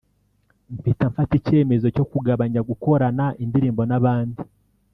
mpita mfata icyemezo cyo kugabanya gukorana indirimbo n’abandi